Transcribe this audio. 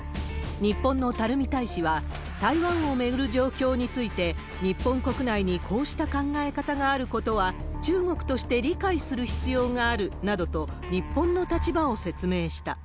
日本の垂大使は、台湾を巡る状況について、日本国内にこうした考え方があることは、中国として理解する必要があるなどと、日本の立場を説明した。